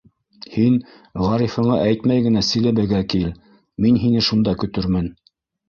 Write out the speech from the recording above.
-Һин Ғарифыңа әйтмәй генә Силәбегә кил, мин һине шунда көтөрмөн.